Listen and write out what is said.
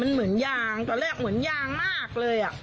มันเหมือนยางตอนแรกเหมือนยางมากเลย